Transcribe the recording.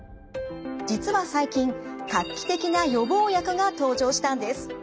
実は最近画期的な予防薬が登場したんです。